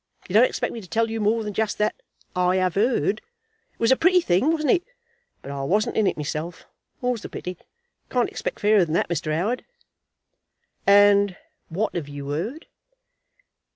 You don't expect me to tell you more than just that. I 'ave 'eard. It was a pretty thing, wasn't it? But I wasn't in it myself, more's the pity. You can't expect fairer than that, Mr. 'Oward?" "And what have you heard?"